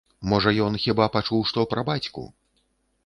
Можа, ён хіба пачуў што пра бацьку.